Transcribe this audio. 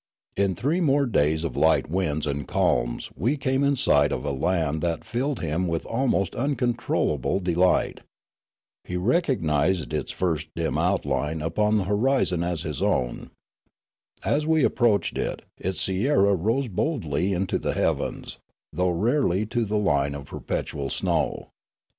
In three more days of light winds and calms we came in sight of a land that filled him with almost uncontrollable de light. He recognised its first dim outline upon the o 62 Riallaro horizon as his own. As we approached it, its sierra rose boldly into the heavens, though rarely to the line of perpetual snow.